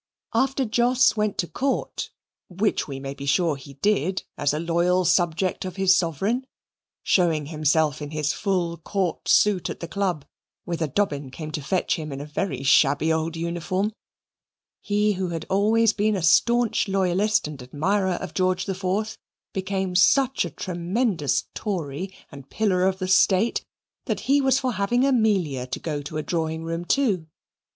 After Jos went to Court, which we may be sure he did as a loyal subject of his Sovereign (showing himself in his full court suit at the Club, whither Dobbin came to fetch him in a very shabby old uniform) he who had always been a staunch Loyalist and admirer of George IV, became such a tremendous Tory and pillar of the State that he was for having Amelia to go to a Drawing room, too.